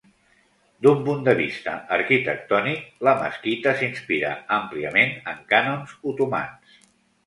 D'un punt de vista arquitectònic, la mesquita s'inspira àmpliament en canons otomans.